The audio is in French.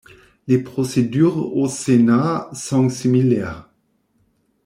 Les procédures au Sénat sont similaires.